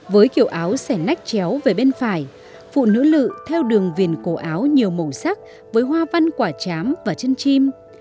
với kiểu áo sẻ nách chéo về bên phải phụ nữ lự theo đường viền cổ áo nhiều màu sắc với hoa văn quả chám và chân chim